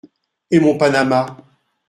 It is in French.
Et mon panama ?…